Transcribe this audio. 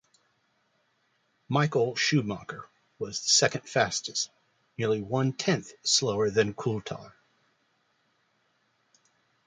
Michael Schumacher was second fastest, nearly one-tenth slower than Coulthard.